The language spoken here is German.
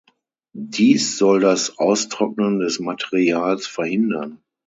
Dies soll das Austrocknen des Materials verhindern.